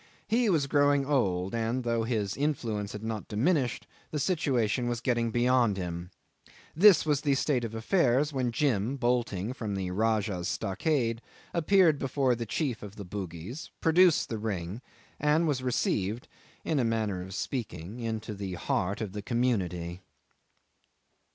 He was growing old, and, though his influence had not diminished, the situation was getting beyond him. This was the state of affairs when Jim, bolting from the Rajah's stockade, appeared before the chief of the Bugis, produced the ring, and was received, in a manner of speaking, into the heart of the community.